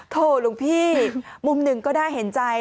โหหลวงพี่มุมหนึ่งก็น่าเห็นใจ